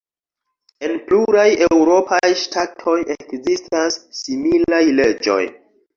En pluraj eŭropaj ŝtatoj ekzistas similaj leĝoj.